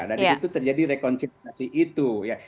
dan di situ terjadi rekonsentrasi itu ya